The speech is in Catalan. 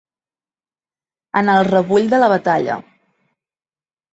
En el rebull de la batalla.